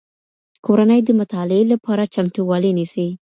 کورنۍ د مطالعې لپاره چمتووالی نیسي.